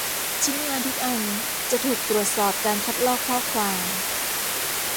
ชิ้นงานทุกอันจะถูกตรวจสอบการคัดลอกข้อความ